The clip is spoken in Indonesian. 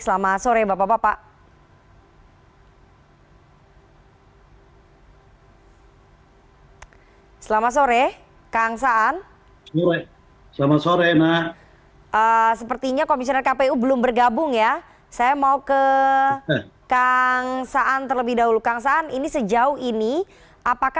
selamat sore bapak bapak